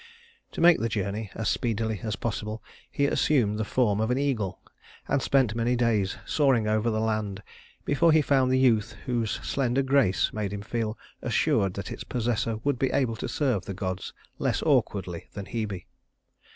To make the journey as speedily as possible he assumed the form of an eagle, and spent many days soaring over the land before he found the youth whose slender grace made him feel assured that its possessor would be able to serve the gods less awkwardly than Hebe.